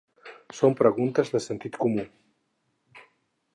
Són preguntes de sentit comú.